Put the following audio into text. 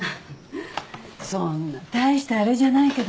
そんな大したあれじゃないけど。